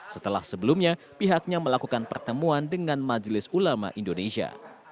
setelah sebelumnya pihaknya melakukan pertemuan dengan majelis ulama indonesia